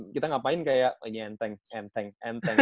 kita ngapain kayak ini enteng enteng enteng